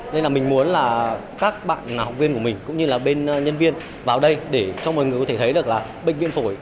nên là mình muốn là các bạn học viên của mình cũng như là bên nhân viên vào đây để cho mọi người có thể thấy được là bệnh viện phổi